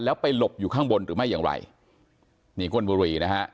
แล้วไปหลบอยู่ข้างบนหรือไม่อย่างไรนี่ก้นบุรีนะฮะ